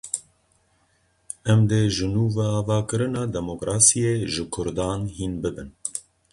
Em dê jinûveavakirina demokrasiyê, ji kurdan hîn bibin.